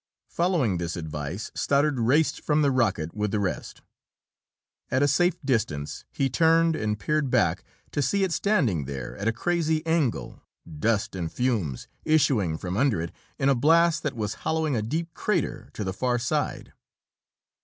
Following this advice, Stoddard raced from the rocket with the rest. At a safe distance, he turned and peered back to see it standing there at a crazy angle, dust and fumes issuing from under it in a blast that was hollowing a deep crater to the far side.